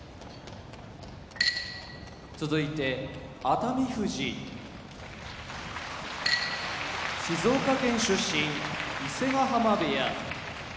熱海富士静岡県出身伊勢ヶ浜部屋